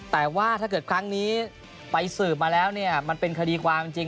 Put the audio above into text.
แต่ว่าถ้าเกิดครั้งนี้ไปสืบมาแล้วเนี่ยมันเป็นคดีความจริง